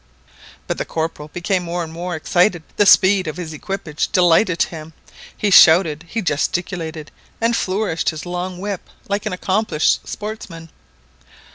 But the Corporal became more and more excited the speed of his equipage delighted him. He shouted, he gesticulated, and flourished his long whip like an accomplished sportsman.